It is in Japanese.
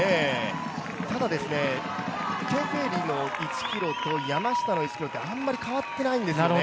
ただ、テフェリの１ｋｍと山下の１ｋｍってあんまり変わってないんですよね。